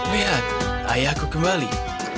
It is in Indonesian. lihat ayahku kembali